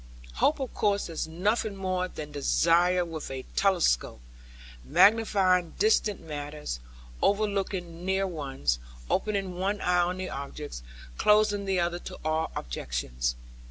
Hope of course is nothing more than desire with a telescope, magnifying distant matters, overlooking near ones; opening one eye on the objects, closing the other to all objections.